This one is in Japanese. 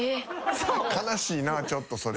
悲しいなぁちょっとそれ。